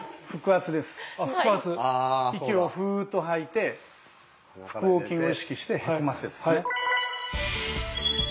息をフーッと吐いて腹横筋を意識してへこませるやつですね。